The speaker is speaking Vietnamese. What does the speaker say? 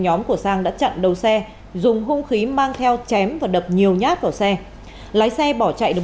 nhóm của sang đã chặn đầu xe dùng hung khí mang theo chém và đập nhiều nhát vào xe lái xe bỏ chạy được